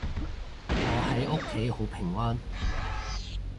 我喺屋企好平安